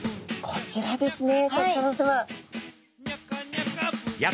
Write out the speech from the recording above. こちらですね。